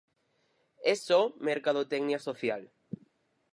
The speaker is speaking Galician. É só mercadotecnia social.